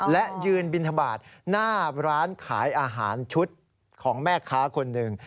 และยืนบินทบาทหน้าร้านขายอาหารชุดของแม่ค้าคนหนึ่ง